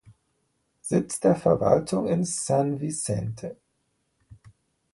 Sitz der Verwaltung ist San Vicente.